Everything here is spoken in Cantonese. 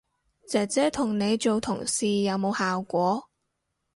姐姐同你做同事有冇效果